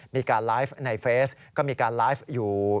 มีการไลฟ์ในเฟซก็มีการไลฟ์อยู่